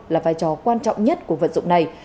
là vai trò quan trọng nhất của vật dụng này